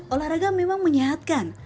olahraga memang menyehatkan